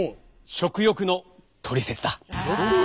「食欲のトリセツ」？